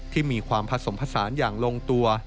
ที่มีความผสมผสานอย่างลงตัว